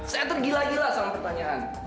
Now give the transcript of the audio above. saya tergila gila sama pertanyaan